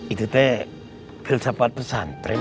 itu teh filsafat pesantren